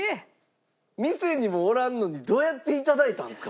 店にもおらんのにどうやっていただいたんですか？